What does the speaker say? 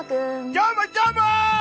どーも、どーも！